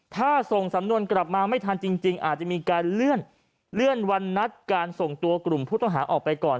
ถ้าส่งสำนวนกลับมาไม่ทันจริงอาจจะมีการเลื่อนวันนัดการส่งตัวกลุ่มผู้ต้องหาออกไปก่อน